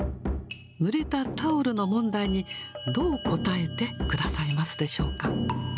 ぬれたタオルの問題に、どう答えてくださいますでしょうか。